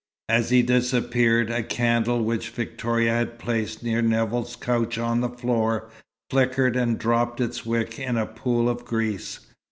As he disappeared, a candle which Victoria had placed near Nevill's couch on the floor, flickered and dropped its wick in a pool of grease.